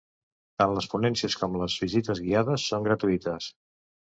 Tan les ponències com les visites guiades són gratuïtes.